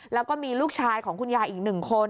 แล้วก็มีลูกชายของคุณยายอีก๑คน